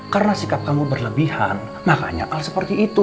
karena sikap kamu berlebihan makanya al seperti itu